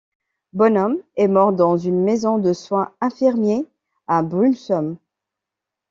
Bonhomme est morte dans une maison de soins infirmiers à Brunssum.